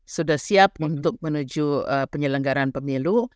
sudah siap untuk menuju penyelenggaran pemilu